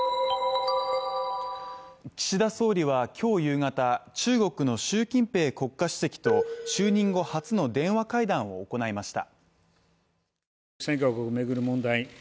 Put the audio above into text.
岸田総理は今日夕方、中国の習近平国家主席と就任後初の電話会談を行いました。